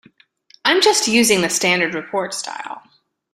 I'm just using the standard report style.